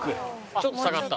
ちょっと下がった。